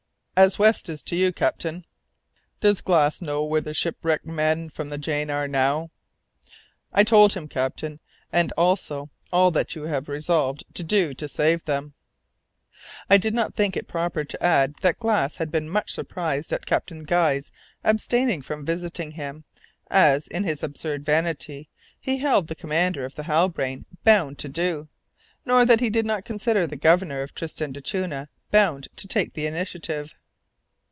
"As West is to you, captain." "Does Glass know where the shipwrecked men from the Jane are now?" "I told him, captain, and also all that you have resolved to do to save them." I did not think proper to add that Glass had been much surprised at Captain Guy's abstaining from visiting him, as, in his absurd vanity, he held the commander of the Halbrane bound to do, nor that he did not consider the Governor of Tristan d'Acunha bound to take the initiative.